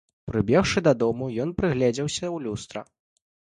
Прыбегшы дадому, ён прыгледзеўся ў люстра.